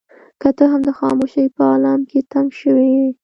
که ته د خاموشۍ په عالم کې تم شوې يې.